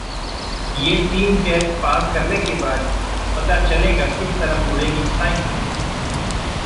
ये तीन test pass करने के बाद ही पता चलेगा किस तरफ मुड़ेगी साइकिल!